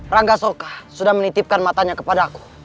rangga sokah sudah menitipkan matanya kepada aku